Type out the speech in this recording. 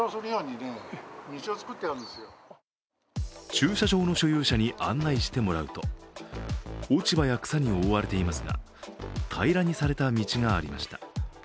駐車場の所有者に案内してもらうと落ち葉や草に覆われていますが、平らにされた道がありました。